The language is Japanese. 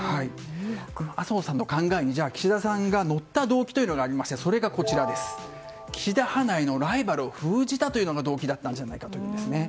麻生さんの考えに岸田さんが乗った動機がありましてそれが岸田派内のライバルを封じたというのが動機だったんじゃないかと思うんですね。